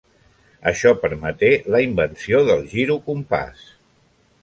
Això permeté la invenció del girocompàs.